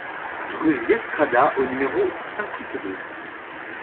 Rue Via Strada au numéro cinquante-deux